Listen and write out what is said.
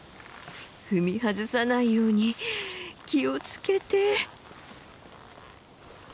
踏み外さないように気を付けて。